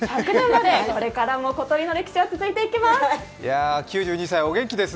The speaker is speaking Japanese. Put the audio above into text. これからも、ことりの歴史、続いていきます。